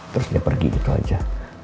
terus dia pergi gitu aja